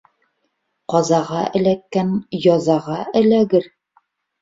Ҡазаға эләккән язаға эләгер.